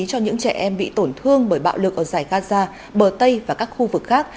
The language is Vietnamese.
cho những trẻ em bị tổn thương bởi bạo lực ở giải gaza bờ tây và các khu vực khác